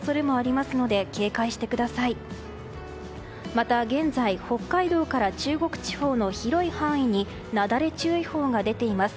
また現在北海道から中国地方の広い範囲になだれ注意報が出ています。